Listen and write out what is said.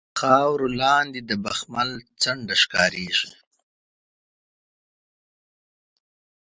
خاورو لاندې د بخمل څنډه ښکاریږي